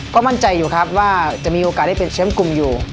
ก็มั่นใจอยู่ครับว่าจะมีโอกาสได้เป็นแชมป์กลุ่มอยู่